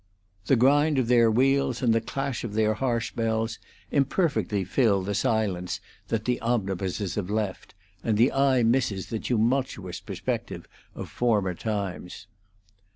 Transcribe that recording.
The grind of their wheels and the clash of their harsh bells imperfectly fill the silence that the omnibuses have left, and the eye misses the tumultuous perspective of former times.